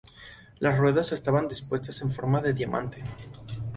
Las ruedas estaban dispuestas en forma de diamante.